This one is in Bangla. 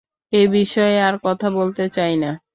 এ বিষয়ে আর কথা বলতে চাই না।